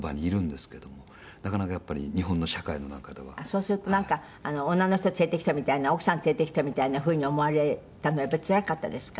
そうすると、なんか女の人、連れてきたみたいな奥さん連れてきたみたいなふうに思われたのはつらかったですか？